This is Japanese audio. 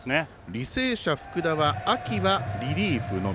履正社、福田は秋はリリーフのみ。